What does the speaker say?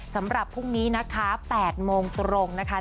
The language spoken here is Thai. สำหรับพรุ่งนี้นะคะ๘โมงตรงนะคะ